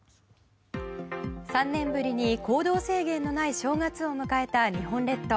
３年ぶりに行動制限のない正月を迎えた日本列島。